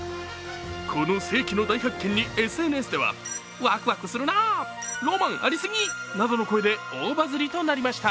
この世紀の大発見に、ＳＮＳではわくわくするなー、浪漫ありすぎなどの声で大バズリとなりました。